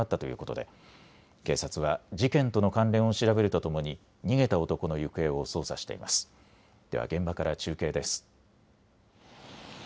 では現場から中継です。